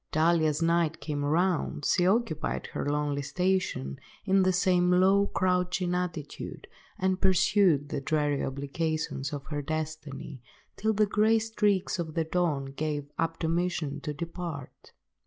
Duly as night came round, she occupied her lonely station, in the same low crouching attitude, and pursued the dreary obligations of her destiny, till the grey streaks of the dawn gave admonition to depart.